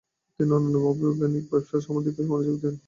তিনি অন্যান্য বৈজ্ঞানিক সমস্যার দিকে মনোযোগ দেন।